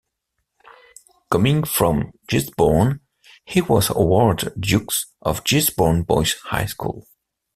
Coming from Gisborne, he was awarded dux of Gisborne Boys' High School.